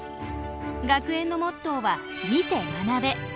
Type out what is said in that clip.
学園のモットーは「見て学べ」。